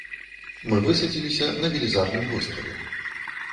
Мы высадзіліся на велізарным востраве.